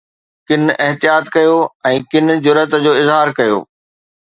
ڪن احتياط ڪيو ۽ ڪن جرئت جو اظهار ڪيو